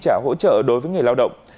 chi trả hỗ trợ đối với người lao động